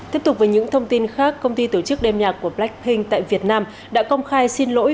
tiếp tục với những thông tin khác công ty tổ chức đêm nhạc của blacking tại việt nam đã công khai xin lỗi